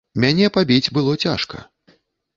Мяне пабіць было цяжка.